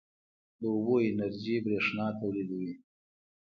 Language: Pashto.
د اوبو انرژي برښنا تولیدوي